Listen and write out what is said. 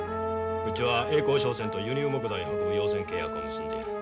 うちは栄光商船と輸入木材を運ぶ用船契約を結んでいる。